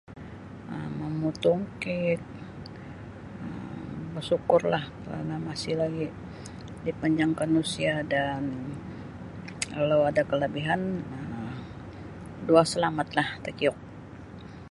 um Mamutung kek um basukurlah karana masih lagi' dipanjangkan usia dan kalau ada kalabihan dua salamatlah takiuk.